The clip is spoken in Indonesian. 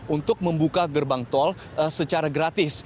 untuk membuka gerbang tol secara gratis